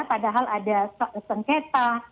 padahal ada sengketa